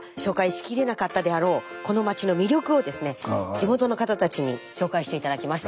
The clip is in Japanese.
地元の方たちに紹介して頂きました。